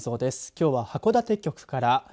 きょうは函館局から。